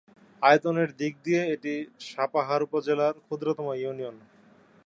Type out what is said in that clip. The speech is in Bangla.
আয়তনের দিক দিয়ে এটি সাপাহার উপজেলা র ক্ষুদ্রতম ইউনিয়ন।